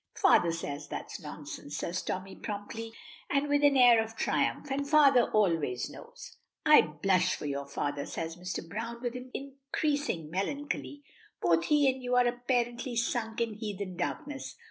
"Father says that's nonsense," says Tommy promptly, and with an air of triumph, "and father always knows." "I blush for your father," says Mr. Browne with increasing melancholy. "Both he and you are apparently sunk in heathen darkness.